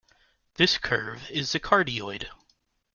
This curve is the cardioid.